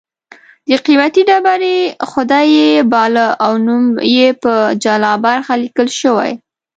د قېمتي ډبرې خدای یې باله او نوم یې په جلا برخه لیکل شوی